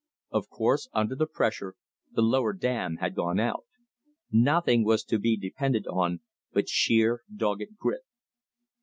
Of course, under the pressure, the lower dam had gone out. Nothing was to be depended on but sheer dogged grit.